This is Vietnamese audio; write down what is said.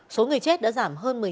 số người chết đã giảm hơn một mươi chín